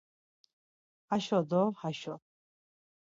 haşo do haşo.